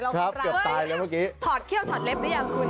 ถอดเครียลถอดเร็วหรือยัง